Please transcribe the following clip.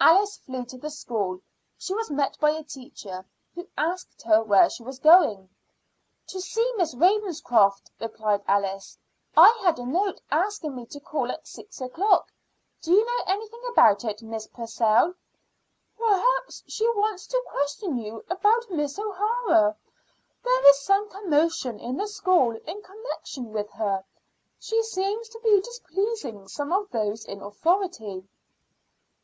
Alice flew to the school. She was met by a teacher, who asked her where she was going. "To see Miss Ravenscroft," replied Alice. "I had a note asking me to call at six o'clock. Do you know anything about it, Miss Purcell?" "Perhaps she wants to question you about Miss O'Hara. There is some commotion in the school in connection with her. She seems to be displeasing some of those in authority."